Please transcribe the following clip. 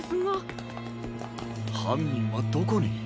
はんにんはどこに？